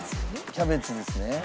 キャベツですね。